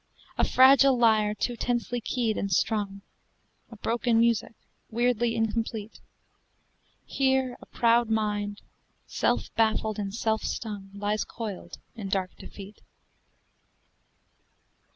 A fragile lyre too tensely keyed and strung, A broken music, weirdly incomplete: Here a proud mind, self baffled and self stung, Lies coiled in dark defeat.